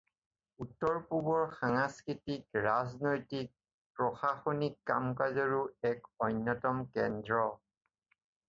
উত্তৰ পূবৰ সাংস্কৃতিক, ৰাজনৈতিক, প্ৰশাসনিক কাম-কাজৰো এক অন্যতম কেন্দ্ৰ।